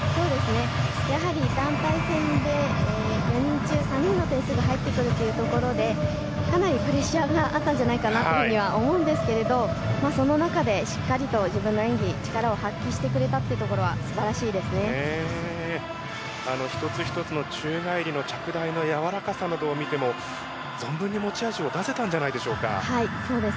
やはり団体戦で４人中３人の点数が入ってくるというところでかなりプレッシャーがあったんじゃないかなというふうには思うんですけれどその中で、しっかりと自分の演技力を発揮してくれたというところは１つ１つの宙返りの着台のやわらかさなどを見ても存分に持ち味を出せたんじゃないでしょうか。